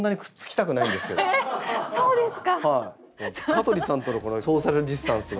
香取さんとのソーシャルディスタンスが。